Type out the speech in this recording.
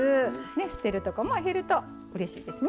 捨てるとこも減るとうれしいですね。